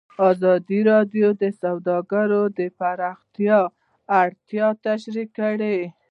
ازادي راډیو د سوداګري د پراختیا اړتیاوې تشریح کړي.